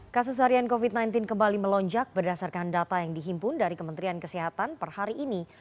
kasus harian covid sembilan belas kembali melonjak berdasarkan data yang dihimpun dari kementerian kesehatan per hari ini